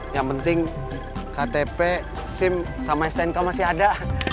yang penting ktp sim sama stnk masih ada